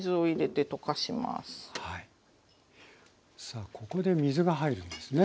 さあここで水が入るんですね。